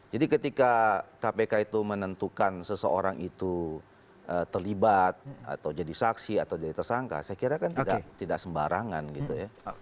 jadi ketika kpk itu menentukan seseorang itu terlibat atau jadi saksi atau jadi tersangka saya kira kan tidak sembarangan gitu ya